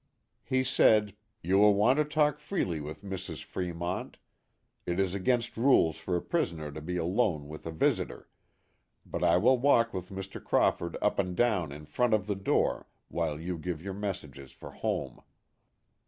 He said, "You will want to talk freely with Mrs. Fremont it is against rules for a prisoner to be alone with a visitor ; but I will walk with Mr. Crawford up and down in front of the door while you give your messages for home."